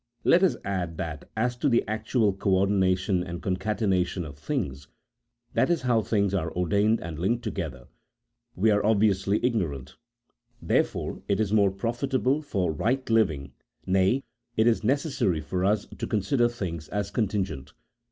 Let us add that as to the actual co ordination and concate nation of things, that is how things are ordained and linked together, we are obviously ignorant ; therefore, it is more profitable for right living, nay, it is necessary for us to con sider things as contingent.